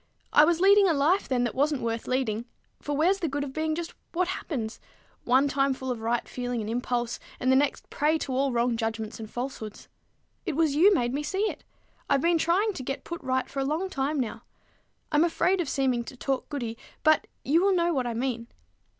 I was leading a life then that wasn't worth leading; for where's the good of being just what happens, one time full of right feeling and impulse, and the next a prey to all wrong judgments and falsehoods? It was you made me see it. I've been trying to get put right for a long time now. I'm afraid of seeming to talk goody, but you will know what I mean.